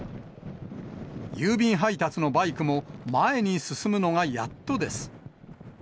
郵便配達のバイクも、前に進むのがやっとです。